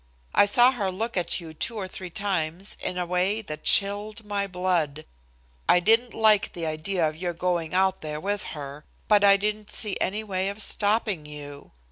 I saw her look at you two or three times in a way that chilled my blood. I didn't like the idea of your going out there with her, but I didn't see any way of stopping you.